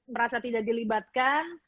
merasa tidak dilibatkan